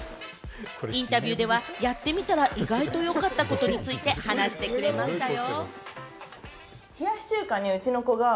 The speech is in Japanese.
インタビューではやってみたら意外と良かったことについて話してくれましたよ。